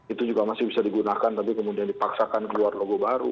itu juga masih bisa digunakan tapi kemudian dipaksakan keluar logo baru